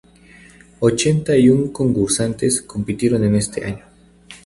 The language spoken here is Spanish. Ochenta y un concursantes compitieron en este año.